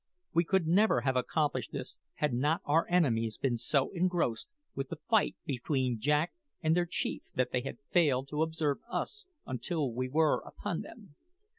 We could never have accomplished this had not our enemies been so engrossed with the fight between Jack and their chief that they had failed to observe us until we were upon them.